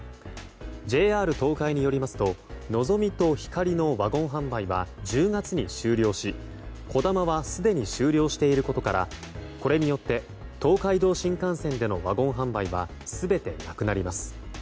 ＪＲ東海によりますと「のぞみ」と「ひかり」のワゴン販売は１０月に終了し「こだま」はすでに終了していることからこれによって東海道新幹線でのワゴン販売は全てなくなります。